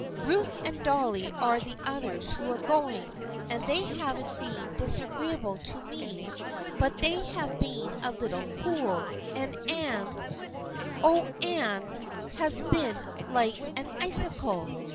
" Ruth and Dolly are the others who are going, and they haven't been disagreeable to me, but they have been a little cool, and Anne — oh, Anne has been like an icicle